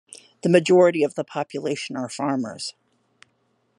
The majority of the population are farmers.